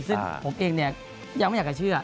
ซึ่งผมเองเนี่ยยังไม่อยากจะเชื่อ